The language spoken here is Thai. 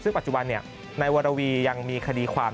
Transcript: ซึ่งปัจจุบันนายวรวียังมีคดีความ